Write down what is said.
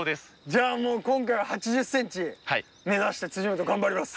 じゃあもう今回は８０ｃｍ目指して本頑張ります。